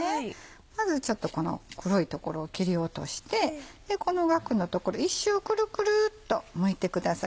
まずちょっとこの黒い所を切り落としてこのガクの所１周クルクルっとむいてください。